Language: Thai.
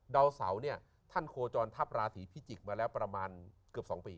ดาวเสาเนี่ยท่านโคจรทัพราศีพิจิกษ์มาแล้วประมาณเกือบ๒ปี